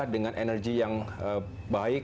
dengan energi yang baik